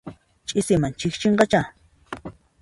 Ch'isiman chikchinqachá.